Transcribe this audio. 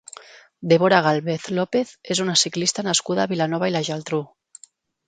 Débora Gálvez López és una ciclista nascuda a Vilanova i la Geltrú.